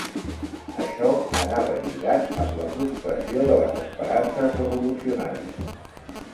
Això anava lligat amb la frustració de les esperances revolucionàries